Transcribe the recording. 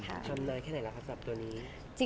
ทำได้แค่ไหนแล้วกับตัวนี้